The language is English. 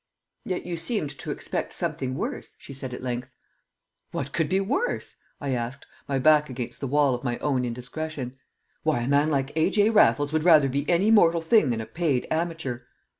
"Yet you seemed to expect something worse," she said at length. "What could be worse?" I asked, my back against the wall of my own indiscretion. "Why, a man like A.J. Raffles would rather be any mortal thing than a paid amateur!"